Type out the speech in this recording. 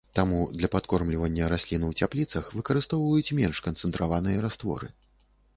Таму для падкормлівання раслін у цяпліцах выкарыстоўваюць менш канцэнтраваныя растворы.